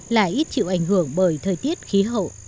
lại ít chịu ảnh hưởng bởi thời tiết khí hậu